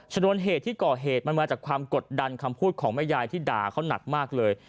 ชนวนเหตุที่ก่อเหตุมันมาจากความกดดันคำพูดของแม่ยายที่ด่าเขาหนักมากเลย